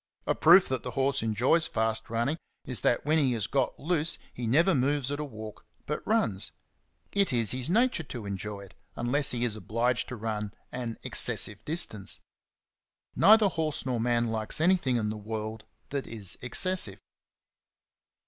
A proof that the horse enjoys fast running is that when he has got loose he never moves at a walk, but runs. It is his nature to enjoy it, unless he is obliged to run an excessive distance. Neither horse nor man likes anything in the world that is excessive.